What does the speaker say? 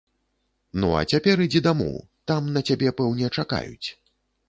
Ну, а цяпер ідзі дамоў, там на цябе, пэўне, чакаюць.